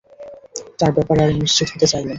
তার ব্যাপারে আরো নিশ্চিত হতে চাইলেন।